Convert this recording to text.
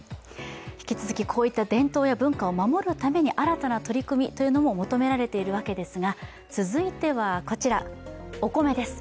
引き続きこういった伝統文化を守るために新たな取り組みというのも求められているわけですが、続いてはこちら、お米です。